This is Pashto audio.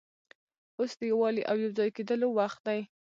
اوس د یووالي او یو ځای کېدلو وخت دی.